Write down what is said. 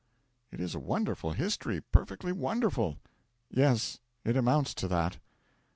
'It is a wonderful history, perfectly wonderful!' 'Yes it amounts to that.'